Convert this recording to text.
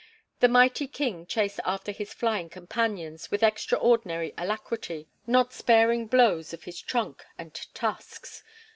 The mighty King chased after his flying companions with extraordinary alacrity, not sparing blows of his trunk and tusks.